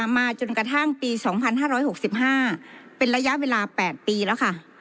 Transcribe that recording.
มาจนกระทั่งปี๒๕๖๕เป็นระยะเวลา๘ปีแล้วค่ะ